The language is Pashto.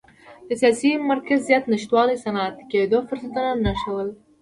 د سیاسي مرکزیت نشتوالي صنعتي کېدو فرصتونه ناشو کړل.